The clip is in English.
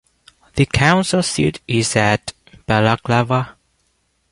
The council seat is at Balaklava.